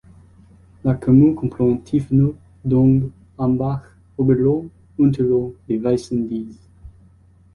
La commune comprend Tiefenort, Dönges, Hämbach, Oberrohn, Unterrohn et Weißendiez.